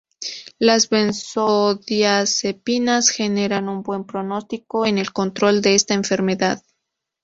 Las benzodiazepinas generan un buen pronóstico en el control de esta enfermedad.